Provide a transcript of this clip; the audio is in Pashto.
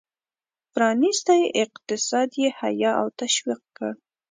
پرانیستی اقتصاد یې حیه او تشویق کړ.